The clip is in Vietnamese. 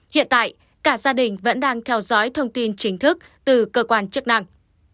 hiện tại cả gia đình vẫn đang theo dõi thông tin chính thức từ cơ quan chức năng